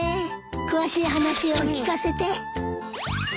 詳しい話を聞かせて。